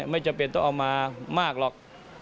ไม่จำเป็นต้องเอามามากหรอก